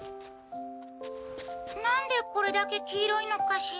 何でこれだけ黄色いのかしら。